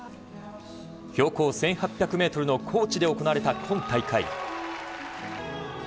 標高１８００ｍの高地で行われた今大会。